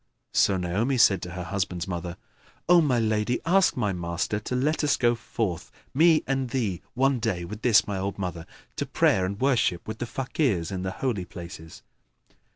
So Naomi said to her husband's mother, "O my lady, ask my master to let us go forth, me and thee, one day with this my old mother, to prayer and worship with the Fakirs in the Holy Places."